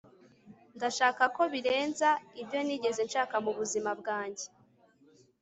ndashaka ko birenze ibyo nigeze nshaka mubuzima bwanjye